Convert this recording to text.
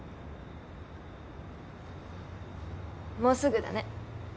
もうすぐだね。